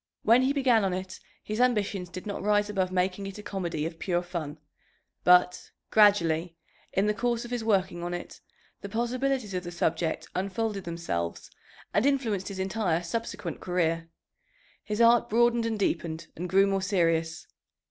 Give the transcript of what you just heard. When he began on it, his ambitions did not rise above making it a comedy of pure fun, but, gradually, in the course of his working on it, the possibilities of the subject unfolded themselves and influenced his entire subsequent career. His art broadened and deepened and grew more serious.